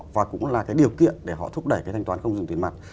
và cũng là cái điều kiện để họ thúc đẩy cái thanh toán không dùng tiền mặt